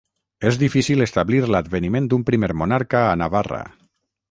És difícil establir l'adveniment d'un primer monarca a Navarra.